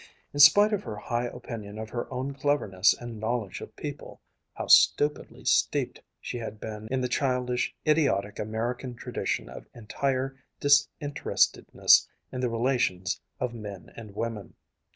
In spite of her high opinion of her own cleverness and knowledge of people, how stupidly steeped she had been in the childish, idiotic American tradition of entire disinterestedness in the relations of men and women.